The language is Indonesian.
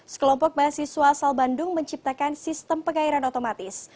sekelompok mahasiswa asal bandung menciptakan sistem pengairan otomatis